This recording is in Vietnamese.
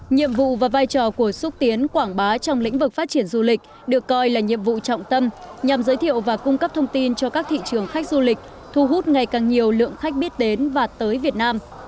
nhiệm vụ và vai trò của xúc tiến quảng bá trong lĩnh vực phát triển du lịch được coi là nhiệm vụ trọng tâm nhằm giới thiệu và cung cấp thông tin cho các thị trường khách du lịch thu hút ngày càng nhiều lượng khách biết đến và tới việt nam